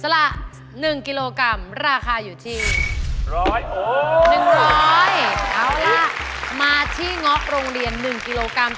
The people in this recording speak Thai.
วันนี้จะมาออกมาที่ไก่ค่ะ